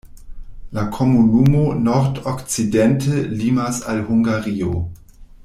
La komunumo nord-okcidente limas al Hungario.